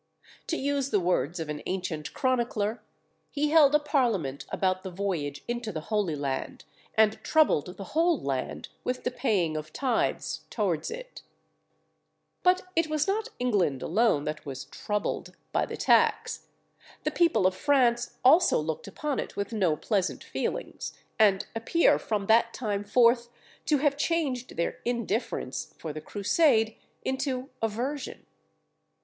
To use the words of an ancient chronicler, "he held a parliament about the voyage into the Holy Land, and troubled the whole land with the paying of tithes towards it." Stowe. [Illustration: PHILIP AUGUSTUS.] But it was not England alone that was "troubled" by the tax. The people of France also looked upon it with no pleasant feelings, and appear from that time forth to have changed their indifference for the Crusade into aversion.